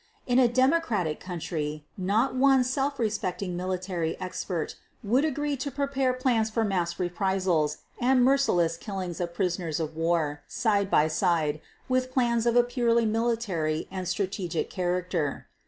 In a democratic country, not one self respecting military expert would agree to prepare plans for mass reprisals and merciless killings of prisoners of war side by side with plans of a purely military and strategic character.